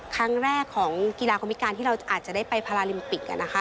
ครั้งแรกของกีฬาคนพิการที่เราอาจจะได้ไปพาราลิมปิก